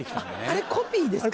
あれコピーです